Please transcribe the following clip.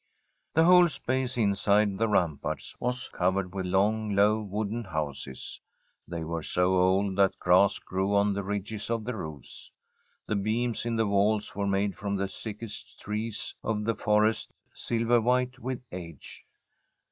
The whole space inside the ramparts was cov ered with long, low wooden houses. They were so old that grass grew on the ridges of the roofs. The beams in the walls were made from the thick est trees of the forest, silver white with age.